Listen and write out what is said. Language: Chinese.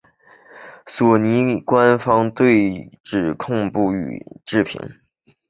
索尼官方对指控不予置评。